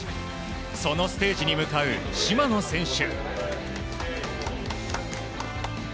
そのステージに向かう島野選手。